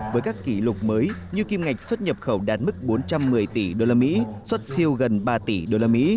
với các kỷ lục mới như kim ngạch xuất nhập khẩu đạt mức bốn trăm một mươi tỷ usd xuất siêu gần ba tỷ usd